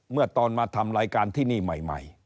เมื่อตอนมาทำรายการที่นี่ใหม่